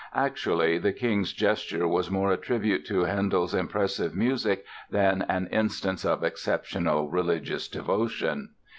Actually the King's gesture was more a tribute to Handel's impressive music than an instance of exceptional religious devotion....